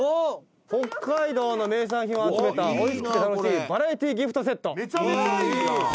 「“北海道の名産品を集めた美味しくて楽しいバラエティギフトセット”」「めちゃめちゃいいやん！」